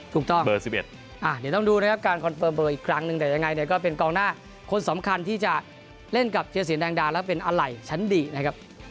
เบอร์๑๑เดี๋ยวต้องดูนะครับการคอนเฟิร์มเบอร์อีกครั้งหนึ่งแต่ยังไงเนี่ยก็เป็นกองหน้าคนสำคัญที่จะเล่นกับเทียสินแดงดาแล้วเป็นอะไรชั้นดีนะครับ